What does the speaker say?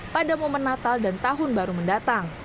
pada momen natal dan tahun baru mendatang